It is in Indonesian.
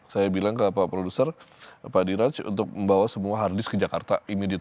saya bilang ke pak produser pak diraj untuk membawa semua hard disk ke jakarta